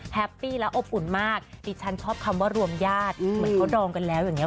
ปี้แล้วอบอุ่นมากดิฉันชอบคำว่ารวมญาติเหมือนเขาดองกันแล้วอย่างนี้